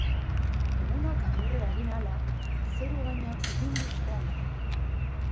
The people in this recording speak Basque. Egunak aurrera egin ahala, zeru-gaina ilunduz joango da.